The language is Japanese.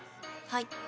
はい。